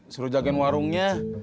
suruh jagain warungnya